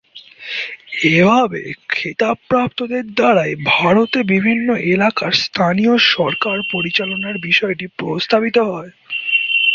এভাবে খেতাব প্রাপ্তদের দ্বারাই ভারতে বিভিন্ন এলাকার স্থানীয় সরকার পরিচালনার বিষয়টি প্রস্তাবিত হয়।